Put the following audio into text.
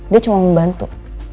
dia cuma mau bantu